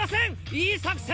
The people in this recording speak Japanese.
いい作戦！